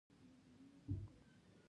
انټرنیټ څنګه کار کوي؟